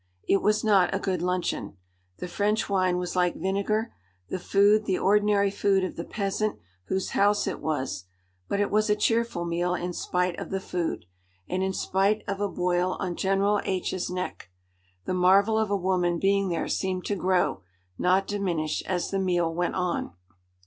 It was not a good luncheon. The French wine was like vinegar, the food the ordinary food of the peasant whose house it was. But it was a cheerful meal in spite of the food, and in spite of a boil on General H 's neck. The marvel of a woman being there seemed to grow, not diminish, as the meal went on.